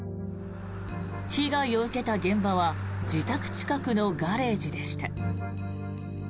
被害を受けた現場は自宅近くのガレージでした。